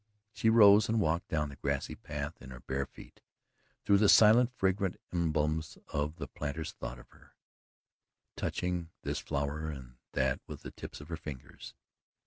She rose and walked down the grassy path in her bare feet through the silent fragrant emblems of the planter's thought of her touching this flower and that with the tips of her fingers.